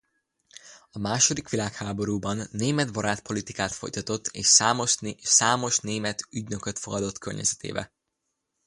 A második világháborúban németbarát politikát folytatott és számos német ügynököt fogadott környezetébe.